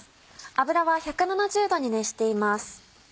油は１７０度に熱しています。